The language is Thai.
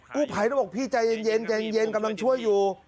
ผู้ภัยต้องบอกพี่ใจเย็นกำลังช่วยอยู่